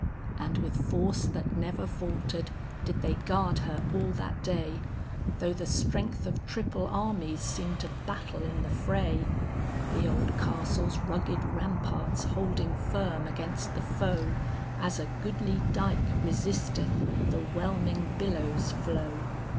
And with force that never faltered, did they guard her all that day, Though the strength of triple armies seemed to battle in the fray, The old castle's rugged ramparts holding firm against the foe, As a goodly dyke resisteth the whelming billow's flow.